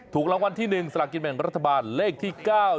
ถูกรางวัลที่๑สลักกินแบ่งรัฐบาลเลขที่๙